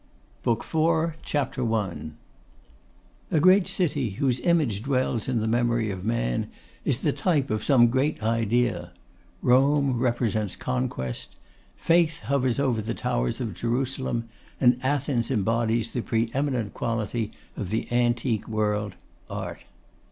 BOOK IV CHAPTER I. A great city, whose image dwells in the memory of man, is the type of some great idea. Rome represents conquest; Faith hovers over the towers of Jerusalem; and Athens embodies the pre eminent quality of the antique world, Art.